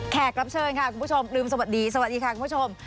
รับเชิญค่ะคุณผู้ชมลืมสวัสดีสวัสดีค่ะคุณผู้ชม